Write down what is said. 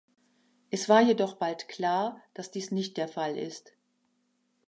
Es war jedoch bald klar, dass dies nicht der Fall ist.